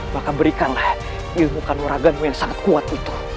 maka berikanlah ilmu kanoragamu yang sangat kuat itu